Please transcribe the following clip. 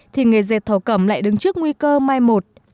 thì nghề dệt thổ cẩm lại đứng trước nguy cơ mai một